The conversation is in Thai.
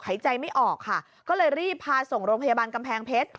หายใจไม่ออกค่ะก็เลยรีบพาส่งโรงพยาบาลกำแพงเพชร